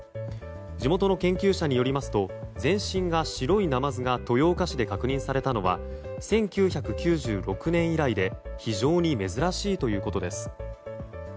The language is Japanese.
地元の研究者によりますと全身が白いナマズが豊岡市で確認されたのは１９９６年以来で非常に珍しいということです。